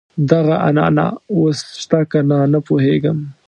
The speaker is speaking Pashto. دغه عنعنه اوس شته کنه نه پوهېږم.